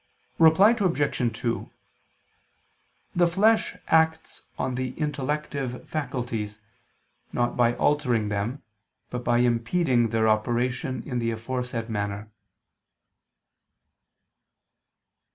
Reply Obj. 2: The flesh acts on the intellective faculties, not by altering them, but by impeding their operation in the aforesaid manner.